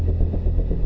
mensi make up